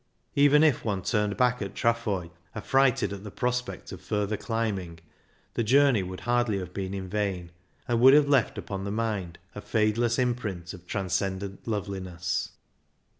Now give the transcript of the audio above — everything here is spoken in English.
Even' if one turned back at Trafoi, affrighted at the prospect of further climbing, the journey would hardly have been in vain, and would have left upon the mind a fadeless imprint of transcendent loveliness.